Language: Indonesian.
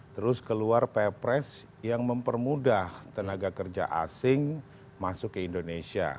terus keluar pepres yang mempermudah tenaga kerja asing masuk ke indonesia